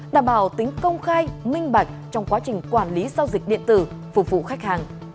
đảm bảo tính công khai minh bạch trong quá trình quản lý giao dịch điện tử phục vụ khách hàng